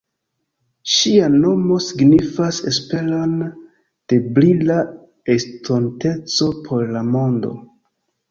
Ŝia nomo signifas esperon de brila estonteco por la mondo.